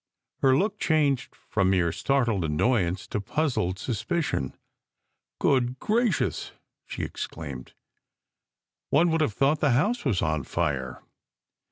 Her look changed from mere startled annoyance to puzzled suspicion .* Good gracious ! she exclaimed . One would have thought the house was on fire